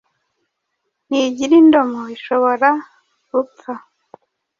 ntigira indomo Ishobora gupfa